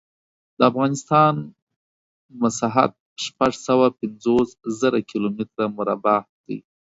د افغانستان مسحت شپږ سوه پنځوس زره کیلو متره مربع دی.